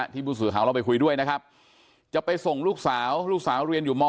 ผู้สื่อข่าวเราไปคุยด้วยนะครับจะไปส่งลูกสาวลูกสาวเรียนอยู่ม